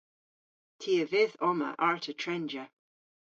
Ty a vydh omma arta trenja.